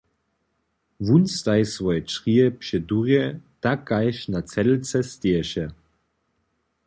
Wón staji swoje črije před durje, tak kaž na cedlce steješe.